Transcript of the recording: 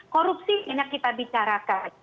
korupsi ini kita bicarakan